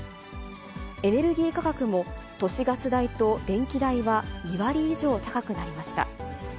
エネルギー価格も、都市ガス代と電気代は２割以上高くなりました。